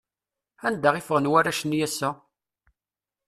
Anda i ffɣen warrac-nni ass-a?